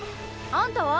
あんたは？